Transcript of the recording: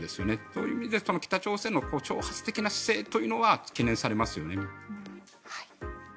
そういう意味で北朝鮮の挑発的な姿勢というのは懸念されますよね。